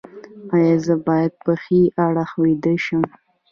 ایا زه باید په ښي اړخ ویده شم؟